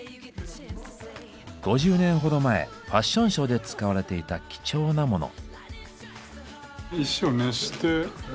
５０年ほど前ファッションショーで使われていた貴重なモノ。